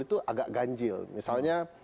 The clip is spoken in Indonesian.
itu agak ganjil misalnya